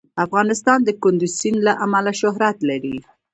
افغانستان د کندز سیند له امله شهرت لري.